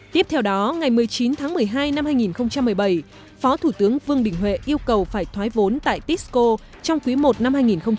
tiếp theo đó ngày một mươi chín tháng một mươi hai năm hai nghìn một mươi bảy phó thủ tướng vương đình huệ yêu cầu phải thoái vốn tại tisco trong quý i năm hai nghìn một mươi chín